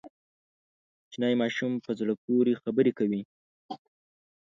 کوچنی ماشوم په زړه پورې خبرې کوي.